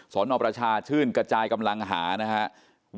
สนประชาชื่นกระจายกำลังหานะครับ